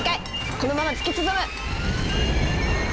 このまま突き進む！